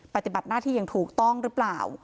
ปฏิบัติหน้าที่อย่างถูกต้องหรือเปล่า